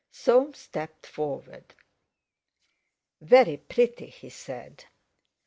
Soames stepped forward. "Very pretty!" he said.